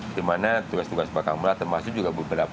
dimana tugas tugas mbak kamla termasuk juga beberapa isu